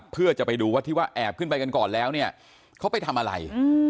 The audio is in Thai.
เพื่อจะไปดูว่าที่ว่าแอบขึ้นไปกันก่อนแล้วเนี่ยเขาไปทำอะไร